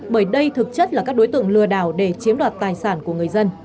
bởi đây thực chất là các đối tượng lừa đảo để chiếm đoạt tài sản